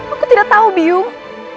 aku tidak tahu biung